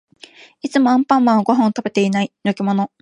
いつもアンパンマンはご飯を食べてない。のけもの？